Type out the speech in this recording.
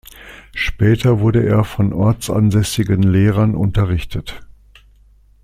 Später wurde er von ortsansässigen Lehrern unterrichtet.